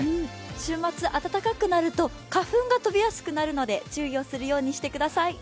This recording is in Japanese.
週末、暖かくなると花粉が飛びやすくなるので注意をするようにしてください。